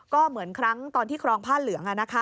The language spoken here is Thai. ก็เหมือนครั้งตอนที่ครองผ้าเหลือง